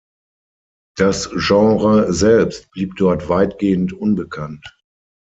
Das Genre selbst blieb dort weitgehend unbekannt.